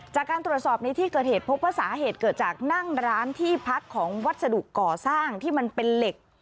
จากการตรวจสอบในที่เกิดเหตุพบว่าสาเหตุเกิดจากนั่งร้านที่พักของวัสดุก่อสร้างที่มันเป็นเหล็ก